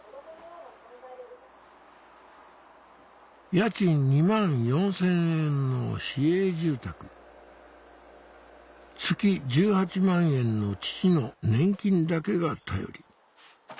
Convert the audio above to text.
家賃２万４０００円の市営住宅月１８万円の父の年金だけが頼り